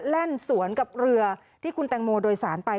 แล่นสวนกับเรือที่คุณแตงโมโดยสารไป